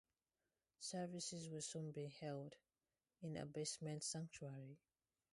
Services were soon being held in a basement sanctuary.